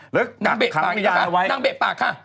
หรือกากขังพิญญาณเอาไว้นั่งเบะปากค่ะ